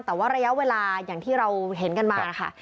แต่ว่าระยะเวลาอย่างที่เราเห็นกันมานะคะ